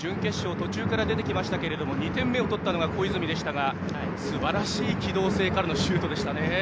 途中から出てきましたが２点目を取ったのが小泉でしたがすばらしい機動性からのシュートでした。